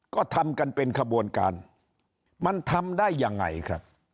ก็ทำกันเป็นขบวนการมันทำได้ยังไงครับ